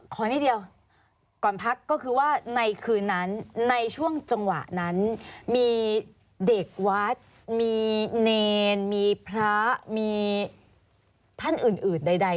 ขอนิดเดียวก่อนพักก็คือว่าในคืนนั้นในช่วงจังหวะนั้นมีเด็กวัดมีเนรมีพระมีท่านอื่นใด